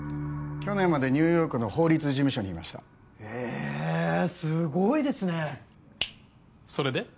去年までニューヨークの法律事務所にいましたええすごいですねそれで？